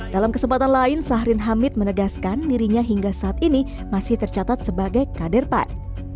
dalam kesempatan lain sahrin hamid menegaskan dirinya hingga saat ini masih tercatat sebagai kader pan